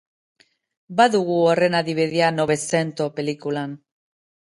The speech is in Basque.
Badugu horren adibidea Novecento pelikulan.